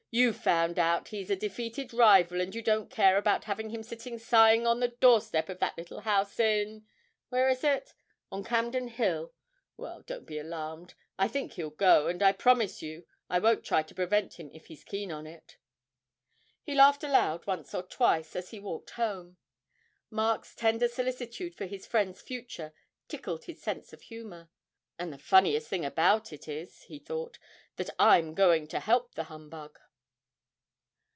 You've found out he's a defeated rival, and you don't care about having him sitting sighing on the door step of that little house in where is it? on Campden Hill! Well, don't be alarmed; I think he'll go, and I promise you I won't try to prevent him if he's keen on it.' He laughed aloud once or twice as he walked home. Mark's tender solicitude for his friend's future tickled his sense of humour. 'And the funniest thing about it is,' he thought, 'that I'm going to help the humbug!'